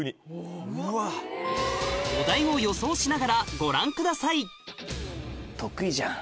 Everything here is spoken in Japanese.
お題を予想しながらご覧ください得意じゃん。